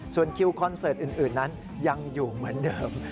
ส่วนคิวคอนเสิร์ตอื่นนั้นยังอยู่เหมือนเดิม